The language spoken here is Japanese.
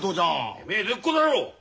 てめえ江戸っ子だろ。